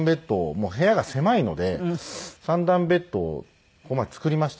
もう部屋が狭いので３段ベッドをこの前作りましてね